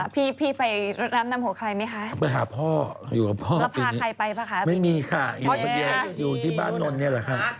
พี่ไปรับนำหัวใครไหมคะไปหาพ่ออยู่กับพ่อแล้วพาใครไปป่ะคะไม่มีค่ะอยู่คนเดียวอยู่ที่บ้านนนท์เนี่ยแหละค่ะ